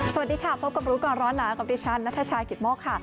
สวัสดีค่ะพบกับรู้ก่อนร้อนหนาวกับดิฉันนัทชายกิตโมกค่ะ